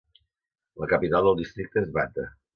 La capital del districte és Bata.